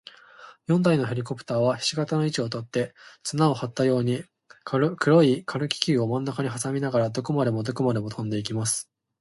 四台のヘリコプターは、ひし形の位置をとって、綱をはったように、黒い軽気球をまんなかにはさみながら、どこまでもどこまでもとんでいきます。